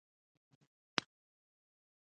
غول د انتاناتو په بڼه بدلیږي.